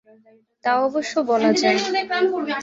তা অবশ্য বলা যায়।